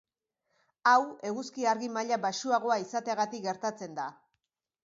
Hau eguzki argi maila baxuagoa izateagatik gertatzen da.